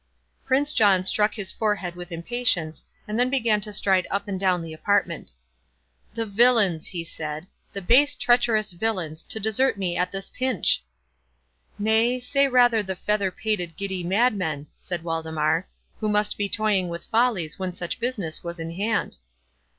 Prince John struck his forehead with impatience, and then began to stride up and down the apartment. "The villains," he said, "the base treacherous villains, to desert me at this pinch!" "Nay, say rather the feather pated giddy madmen," said Waldemar, "who must be toying with follies when such business was in hand."